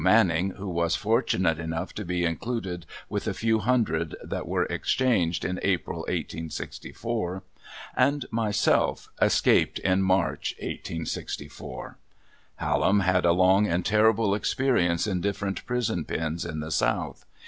Manning, who was fortunate enough to be included with a few hundred that were exchanged in April, 1864, and myself, escaped in March, 1864. Hallam had a long and terrible experience in different prison pens in the South.